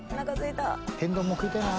「天丼も食いたいな」